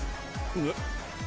えっ？